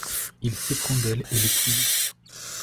Il s'éprend d'elle et l'épouse.